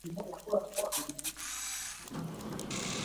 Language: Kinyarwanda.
Ni ububasha bw'Ijambo. Imana ntikoresha imbaraga ngo itubemo;